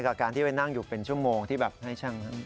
กับการให้กันอยู่เป็นชั่วโมง